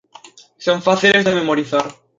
Son fáciles de memorizar.